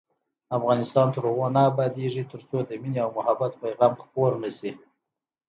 افغانستان تر هغو نه ابادیږي، ترڅو د مینې او محبت پیغام خپور نشي.